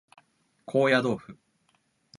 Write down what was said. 高野豆腐